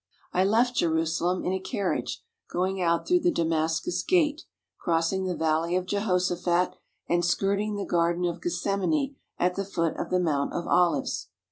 I left Jerusalem in a carriage, going out through the Damascus Gate, crossing the Valley of Jehoshaphat, and skirting the Garden of Gethsemane at the foot of the Mount of Olives.